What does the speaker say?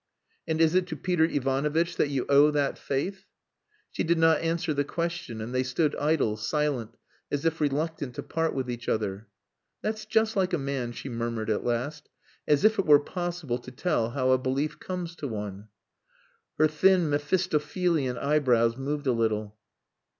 "And is it to Peter Ivanovitch that you owe that faith?" She did not answer the question, and they stood idle, silent, as if reluctant to part with each other. "That's just like a man," she murmured at last. "As if it were possible to tell how a belief comes to one." Her thin Mephistophelian eyebrows moved a little.